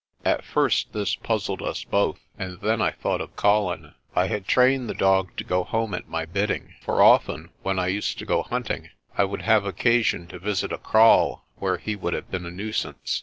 At first this puzzled us both, and then I thought of Colin. I had trained the dog to go home at my bidding, for often when I used to go hunting I would have occasion to visit a kraal where he would have been a nuisance.